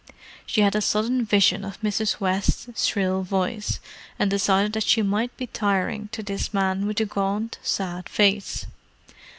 She had a sudden vision of Mrs. West's shrill voice, and decided that she might be tiring to this man with the gaunt, sad face.